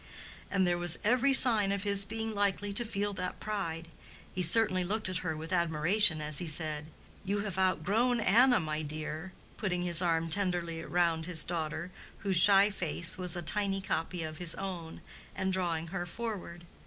And there was every sign of his being likely to feel that pride. He certainly looked at her with admiration as he said, "You have outgrown Anna, my dear," putting his arm tenderly round his daughter, whose shy face was a tiny copy of his own, and drawing her forward.